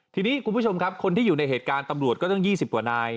ทีนี้คุณผู้ชมครับคนที่อยู่ในเหตุการณ์ตำรวจก็ตั้ง๒๐กว่านาย